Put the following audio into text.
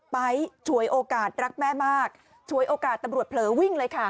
ไป๊วยโอกาสรักแม่มากฉวยโอกาสตำรวจเผลอวิ่งเลยค่ะ